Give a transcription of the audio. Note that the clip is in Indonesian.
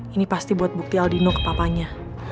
ini pasti buat bukti aldino ke papanya